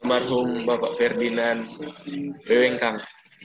teman umum bapak ferdinand weweng kang